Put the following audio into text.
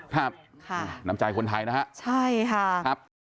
ครับนำจ่ายคนไทยนะครับครับใช่ค่ะ